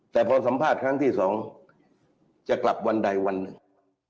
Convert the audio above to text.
แต่พอสัมภาษณ์ครั้งที่สองจะกลับวันใดวันหนึ่ง